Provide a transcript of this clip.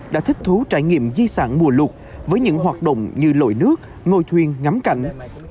đã thích thú trải nghiệm di sản mùa lục với những hoạt động như lội nước ngôi thuyền ngắm cảnh